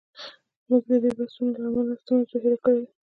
موږ د دې بحثونو له امله اصلي موضوع هیر کړې ده.